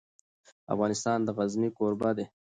افغانستان د غزني کوربه دی.